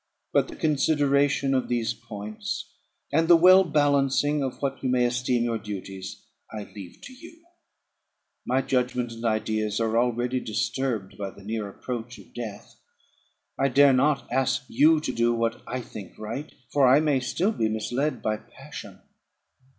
But the consideration of these points, and the well balancing of what you may esteem your duties, I leave to you; my judgment and ideas are already disturbed by the near approach of death. I dare not ask you to do what I think right, for I may still be misled by passion.